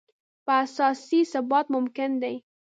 په اساس یې ثبات ممکن دی.